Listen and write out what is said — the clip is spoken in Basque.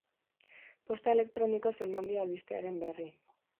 Posta elektronikoz eman dio albistearen berri.